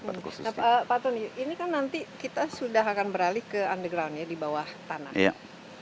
nah pak tony ini kan nanti kita sudah akan beralih ke underground ya di bawah tanah